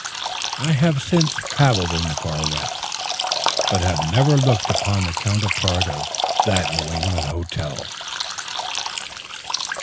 I have since traveled in the far West, but have never looked upon the counterpart of that New England hotel.